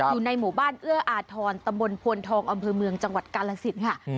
อยู่ในหมู่บ้านเอื้ออาทรตำบลพวนทองอำเภอเมืองจังหวัดกาลสินค่ะ